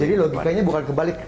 jadi logikanya bukan kebalik